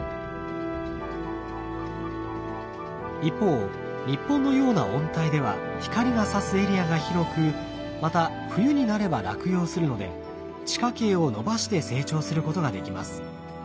一方日本のような温帯では光がさすエリアが広くまた冬になれば落葉するので地下茎を伸ばして成長することができます。